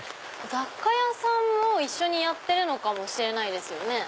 雑貨屋さんも一緒にやってるのかもしれないですよね。